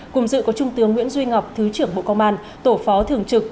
cùng dự có trung tướng nguyễn duy ngọc thứ trưởng bộ công an tổ phó thường trực